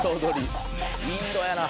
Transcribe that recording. インドやな。